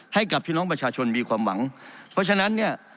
ให้กับพี่น้องประชาชนมีความหวังเพราะฉะนั้นเนี่ย